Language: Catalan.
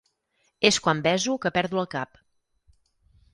És quan beso que perdo el cap.